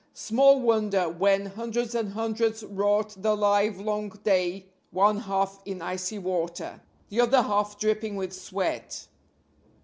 Small wonder, when hundreds and hundreds wrought the livelong day one half in icy water, the other half dripping with sweat.